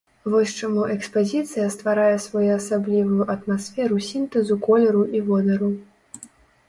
Вось чаму экспазіцыя стварае своеасаблівую атмасферу сінтэзу колеру і водару.